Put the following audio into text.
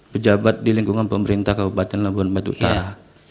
pejabat di lingkungan pemerintah kabupaten labuan batu utara